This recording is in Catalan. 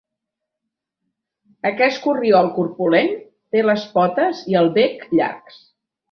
Aquest corriol corpulent té les potes i el bec llargs.